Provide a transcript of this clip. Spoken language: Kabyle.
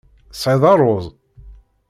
Tesɛiḍ ṛṛuz?